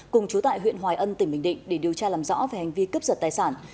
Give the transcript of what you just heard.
cùng chú tại huyện hòa ân tỉnh bình định để điều tra làm rõ về hành vi cướp giật tài sản